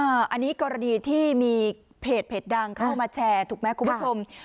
อันนี้กรณีที่มีเพจดังเข้ามาแชร์ถูกไหมคุณผู้ชม